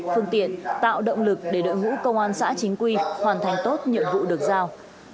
phương tiện tạo động lực để đội ngũ công an xã chính quy hoàn thành tốt nhiệm vụ được giao